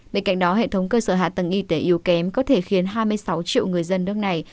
bên cạnh đó hệ thống cơ sở hạ tầng y tế yếu kém có thể khiến hai mươi sáu triệu người dân nước này